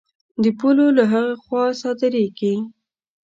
د پولو له هغه خوا صادرېږي.